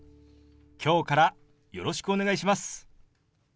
今日からよろしくお願いします。